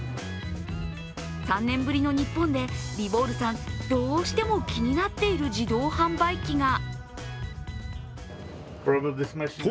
３年ぶりの日本で、リボールさん、どうしても気になっている自動販売機が。